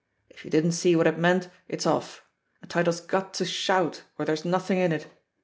"If you didn't see what it meant, it's off — a title's got to shout, or there's nothing in it.